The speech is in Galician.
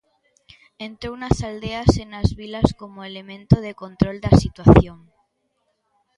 Entrou nas aldeas e nas vilas como elemento de control da situación.